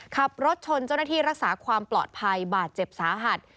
ขับรถชนเจ้าหน้าที่รักษาความปลอดภัยบาดเจ็บสาหัส